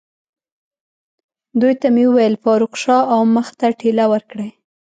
دوی ته مې وویل: فاروق، شا او مخ ته ټېله ورکړئ.